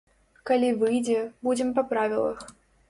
Калі выйдзе, будзем па правілах.